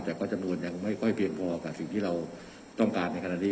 แต่ก็จำนวนยังไม่ค่อยเพียงพอกับสิ่งที่เราต้องการในขณะนี้